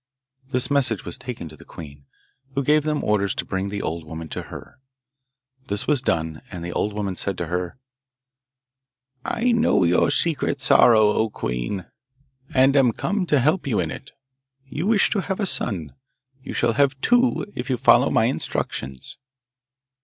This message was taken to the queen, who gave orders to bring the old woman to her. This was done, and the old woman said to her: 'I know your secret sorrow, O queen, and am come to help you in it. You wish to have a son; you shall have two if you follow my instructions.